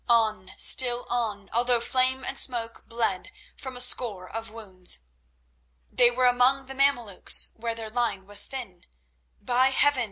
On, still on, although Flame and Smoke bled from a score of wounds. They were among the Mameluks, where their line was thin; by Heaven!